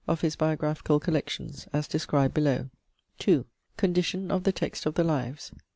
of his biographical collections, as described below. II. CONDITION OF THE TEXT OF THE 'LIVES.'